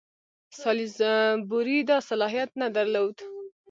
سالیزبوري دا صلاحیت نه درلود.